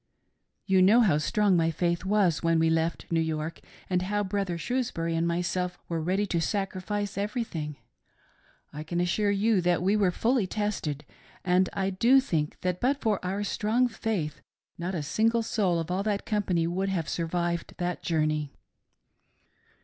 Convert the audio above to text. " You know how strong my faith was "when we left New York and how Brother Shrewsbury and myself were ready to sacrifice everything. I can assure you that we were fully tested, and I do think that but for our strong faith, not a single soul of all that conipany would have survived that journey.